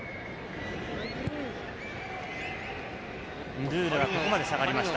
ンドゥールがここまで下がりました。